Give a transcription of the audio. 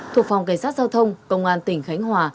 thuộc phòng cảnh sát giao thông công an tỉnh khánh hòa